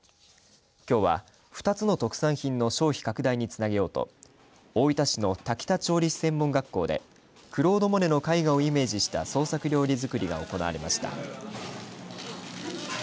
きょうは２つの特産品の消費拡大につなげようと大分市の田北調理師専門学校でクロード・モネの絵画をイメージした創作料理づくりが行われました。